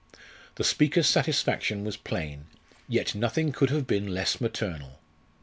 The speaker's satisfaction was plain; yet nothing could have been less maternal.